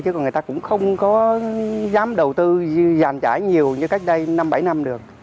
chứ người ta cũng không có dám đầu tư giảm trải nhiều như cách đây năm bảy năm được